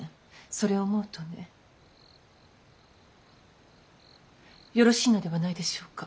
それを思うとねよろしいのではないでしょうか。